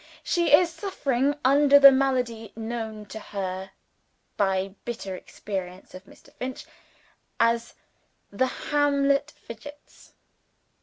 She is suffering under the malady known to her by bitter experience of Mr. Finch, as the Hamlet Fidgets.)